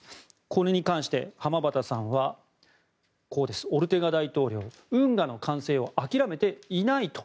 これに関して浜端さんはオルテガ大統領は運河の完成を諦めていないと。